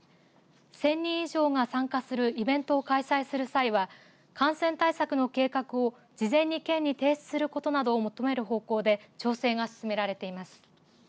１０００人以上が参加するイベントを開催する際は感染対策の計画を事前に県に提出することなど求める方向で調整が進められています。